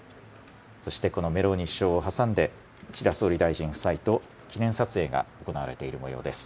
そしてこのメローニ首相を挟んで、岸田総理大臣夫妻と記念撮影が行われているもようです。